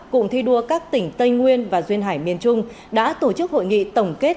cụm thi đua các tỉnh tây nguyên và duyên hải miền trung đã tổ chức hội nghị tổng kết